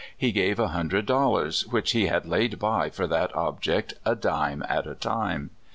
He gave a hundred dollars, which he had laid by for that object a dime at a time.